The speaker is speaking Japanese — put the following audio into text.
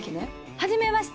はじめまして！